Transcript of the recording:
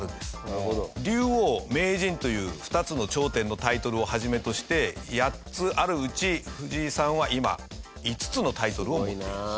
竜王名人という２つの頂点のタイトルをはじめとして８つあるうち藤井さんは今５つのタイトルを持っている。